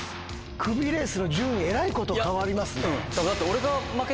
クビレースの順位えらいこと変わりますね。